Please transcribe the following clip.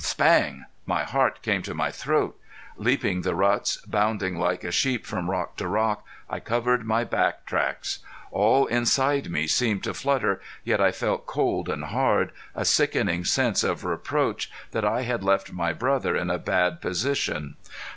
Spang! My heart came to my throat. Leaping the ruts, bounding like a sheep from rock to rock, I covered my back tracks. All inside me seemed to flutter, yet I felt cold and hard a sickening sense of reproach that I had left my brother in a bad position.